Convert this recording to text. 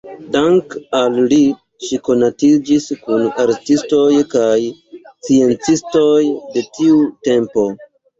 Dank‘ al li ŝi konatiĝis kun artistoj kaj sciencistoj de tiu tempo.